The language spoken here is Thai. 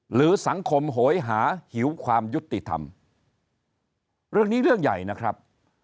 หรือสังคมโหยหาหิวความยุติธรรมเรื่องนี้เรื่องใหญ่นะครับ